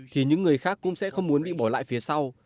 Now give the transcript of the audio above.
thì những người khác cũng sẽ không muốn bị bỏ lại phía sau